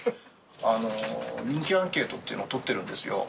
人気アンケートっていうのを取っているんですよ。